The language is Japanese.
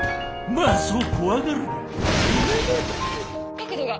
角度が！